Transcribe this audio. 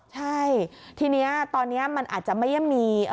ใช่ทีนี้ตอนนี้มันอาจจะไม่ได้มี